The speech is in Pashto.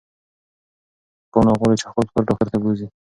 پاڼه غواړي چې خپل پلار ډاکټر ته بوځي.